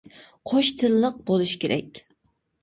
‹ ‹قوش تىل› › لىق بولۇش كېرەك.